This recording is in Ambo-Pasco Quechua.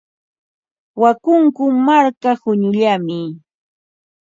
Wakunku marka quñullami.